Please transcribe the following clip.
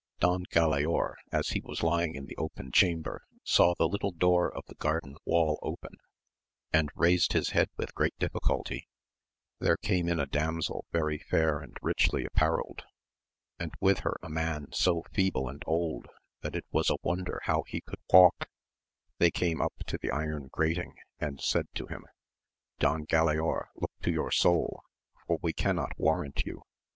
Don Galaor, as he was lying in the open chamber, saw the little door of the garden wall open, and raised his head with great difficulty ; there came in a damsel very fair and richly apparelled, and with her a man so feeble and old that it was a wonder how he could walk, they came up to the iron grating, and said to him, Don Galaor, look to your soul, for we cannot warrant you.